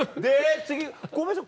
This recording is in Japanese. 次ごめんなさい